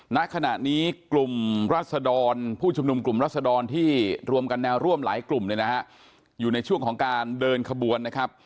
ณขณะนี้กลุ่มรัศดรผู้ชุมนุมกลุ่มรัศดรที่รวมกันแนวร่วมหลายกลุ่มเนี่ยนะฮะอยู่ในช่วงของการเดินขบวนนะครับ